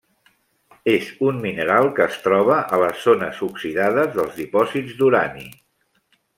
És un mineral que es troba a les zones oxidades dels dipòsits d'urani.